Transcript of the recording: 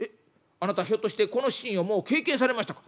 あなたひょっとしてこのシーンをもう経験されましたか？」。